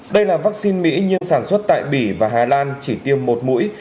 đây là vaccine mỹ nhiên sản xuất tại bỉ và hà lan chỉ tiêm một mũi